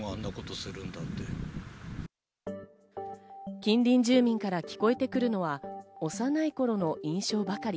近隣住民から聞こえてくるのは幼い頃の印象ばかり。